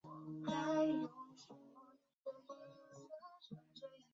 疏羽碎米蕨为中国蕨科碎米蕨属下的一个种。